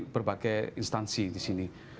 berbagai instansi di sini